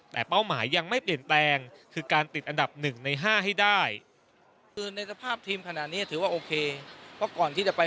แต่เป้าหมายยังไม่เปลี่ยนแปลงคือการติดอันดับ๑ใน๕ให้ได้